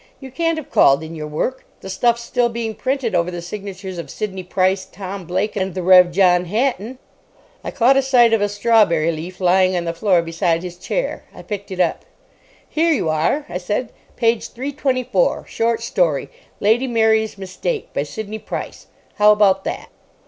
You can't have called in your work. The stuff's still being printed over the signatures of Sidney Price, Tom Blake, and the Rev. John Hatton." I caught sight of a Strawberry Leaf lying on the floor beside his chair. I picked it up. "Here you are," I said. "Page 324. Short story. 'Lady Mary's Mistake,' by Sidney Price. How about that?"